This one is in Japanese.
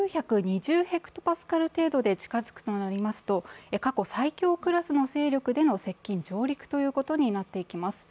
この９２０ｈＰａ程度で近づくとなりますと、過去最強クラスの勢力での接近・上陸ということになっていきます。